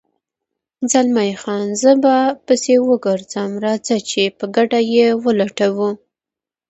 زلمی خان: زه به پسې وګرځم، راځه چې په ګډه یې ولټوو.